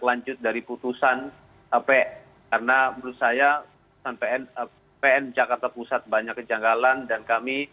lanjut dari putusan hp karena menurut saya sampai npn jakarta pusat banyak kejanggalan dan kami